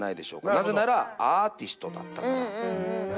なぜならアーティストだったから。